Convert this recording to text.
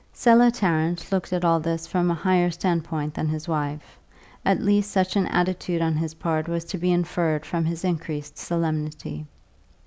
Selah Tarrant looked at all this from a higher standpoint than his wife; at least such an attitude on his part was to be inferred from his increased solemnity.